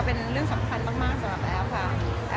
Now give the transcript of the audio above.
เป็นเรื่องสำคัญมากสำหรับแอฟค่ะ